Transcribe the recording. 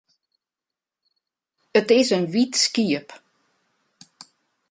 It is in wyt skiep.